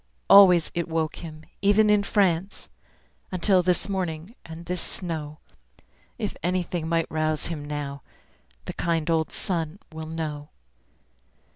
Always it woke him, even in France, Until this morning, and this snow. If anything might rouse him now The kind old sun will know.